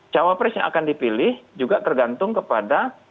cawapres yang akan dipilih juga tergantung kepada